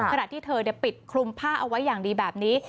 ขณะที่เธอปิดคลุมผ้าเอาไว้อย่างดีแบบนี้